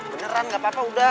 beneran gak apa apa udah